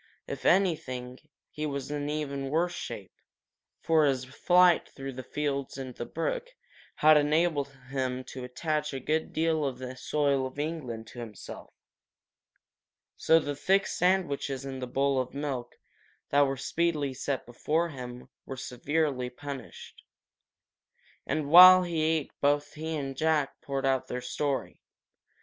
If anything, he was in even worse shape, for his flight through the fields and the brook had enabled him to attach a good deal of the soil of England to himself. So the thick sandwiches and the bowl of milk that were speedily set before him were severely punished. And while he ate both he and Jack poured out their story.